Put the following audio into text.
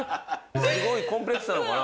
すごいコンプレックスなのかな？